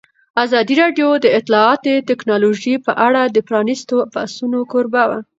ازادي راډیو د اطلاعاتی تکنالوژي په اړه د پرانیستو بحثونو کوربه وه.